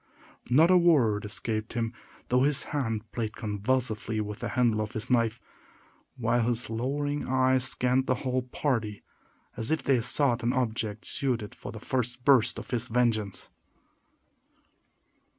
Not a word escaped him, though his hand played convulsively with the handle of his knife, while his lowering eyes scanned the whole party, as if they sought an object suited to the first burst of his vengeance.